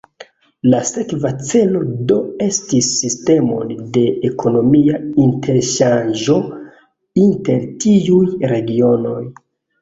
La sekva celo do estis sistemon de ekonomia interŝanĝo inter tiuj regionoj.